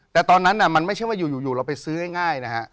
แต่ตอนนั้นมันไม่ใช่ว่าอยู่เราไปซื้อง่ายนะฮะ